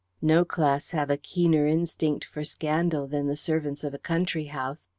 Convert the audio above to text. No class have a keener instinct for scandal than the servants of a country house.